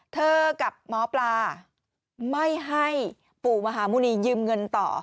กับหมอปลาไม่ให้ปู่มหาหมุณียืมเงินต่อ